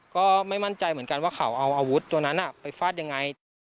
ก็ไม่มั่นใจเหมือนกันว่าเขาเอาอาวุธตัวนั้นไปฟาดยังไง